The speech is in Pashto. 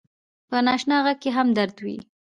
په ناآشنا غږ کې هم درد وي